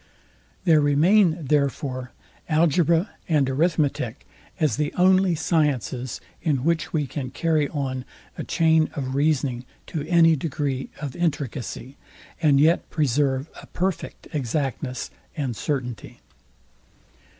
There remain, therefore, algebra and arithmetic as the only sciences, in which we can carry on a chain of reasoning to any degree of intricacy, and yet preserve a perfect exactness and certainty.